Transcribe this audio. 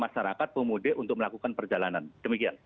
masyarakat pemudik untuk melakukan perjalanan demikian